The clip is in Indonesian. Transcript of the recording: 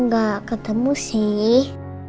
gak ketemu sih